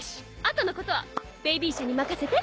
後のことはベイビー社に任せて。